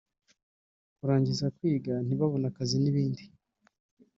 kurangiza kwiga ntibabone akazi n’ibindi